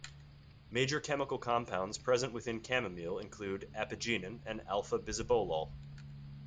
Major chemical compounds present within chamomile include apigenin and alpha-bisabolol.